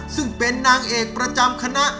ซึ่งเป็นนางเอกประจำคณะ